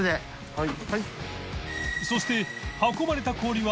はい。